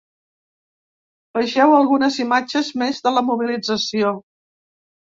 Vegeu algunes imatges més de la mobilització.